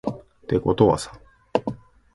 てことはさ